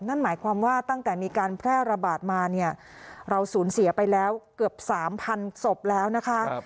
นั่นหมายความว่าตั้งแต่มีการแพร่ระบาดมาเนี่ยเราสูญเสียไปแล้วเกือบ๓๐๐๐ศพแล้วนะคะ